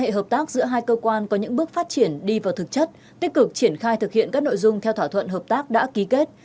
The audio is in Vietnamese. hợp tác giữa hai cơ quan có những bước phát triển đi vào thực chất tích cực triển khai thực hiện các nội dung theo thỏa thuận hợp tác đã ký kết